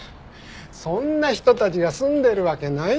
そんな人たちが住んでるわけないでしょ。